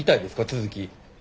続き。